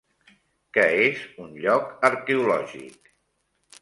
Què és un lloc arqueològic?